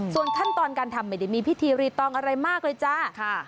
ส่วนขั้นตอนการทำไม่ได้มีพิธีรีตองอะไรมากเลยจ้า